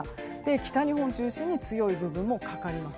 北日本を中心に強い部分もかかります。